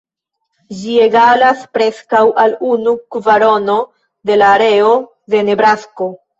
Ĝi egalas preskaŭ al unu kvarono de la areo de Nebrasko.